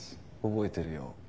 覚えてるよ。